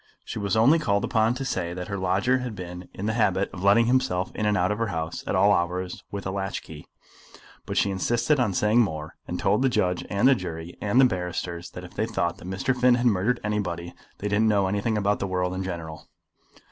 She was only called upon to say that her lodger had been in the habit of letting himself in and out of her house at all hours with a latch key; but she insisted on saying more, and told the judge and the jury and the barristers that if they thought that Mr. Finn had murdered anybody they didn't know anything about the world in general.